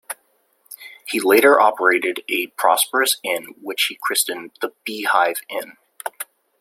He later operated a prosperous inn which he christened the "Beehive Inn".